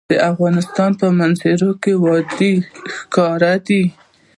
د افغانستان په منظره کې وادي ښکاره ده.